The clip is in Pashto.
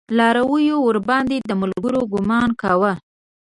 لارويو ورباندې د ملګرو ګمان کوه.